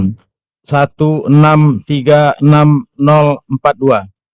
jumlah tiga empat delapan tiga delapan delapan